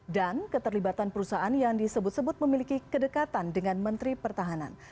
dan keterlibatan perusahaan yang disebut sebut memiliki kedekatan dengan menteri pertahanan